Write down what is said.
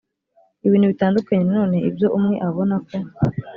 ibintu bitandukanye nanone ibyo umwe abona ko